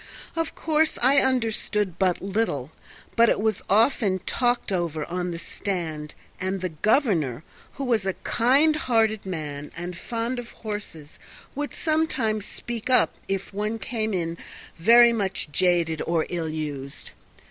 Of course, I understood but little, but it was often talked over on the stand, and the governor, who was a kind hearted man and fond of horses, would sometimes speak up if one came in very much jaded or ill used.